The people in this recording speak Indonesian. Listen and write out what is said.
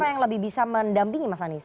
siapa yang lebih bisa mendampingi mas anies